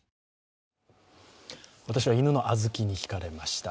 私は犬のあずきにひかれました。